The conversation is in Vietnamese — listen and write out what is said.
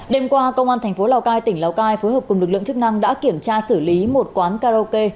đêm qua công an thành phố lào cai tỉnh lào cai phối hợp cùng lực lượng chức năng đã kiểm tra xử lý một quán karaoke